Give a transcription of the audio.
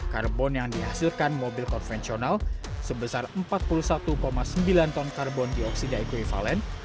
karbon yang dihasilkan mobil konvensional sebesar empat puluh satu sembilan ton karbon dioksida ekvivalen